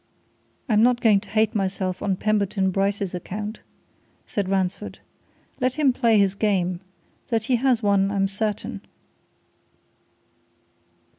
"I'm not going to hate myself on Pemberton Bryce's account," said Ransford. "Let him play his game that he has one, I'm certain."